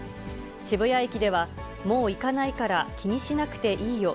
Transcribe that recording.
渋谷駅では、もう行かないから気にしなくていいよ。